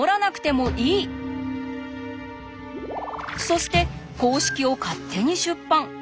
そして公式を勝手に出版。